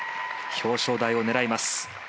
表彰台を狙います。